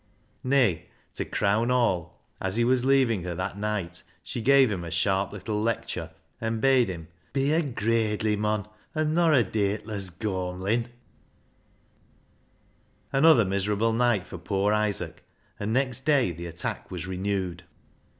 Nay, to crown all, as he was leaving her that night she gave him a sharp little lecture, ISAAC'S FIDDLE 307 and bade him " be a gradely mon, an' nor a dateliss gawmlin." Another miserable night for poor Isaac, and next day the attack was renewed.